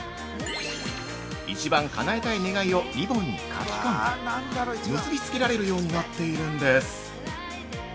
一番叶えたい願いをリボンに書き込んで結びつけられるようになっているんです。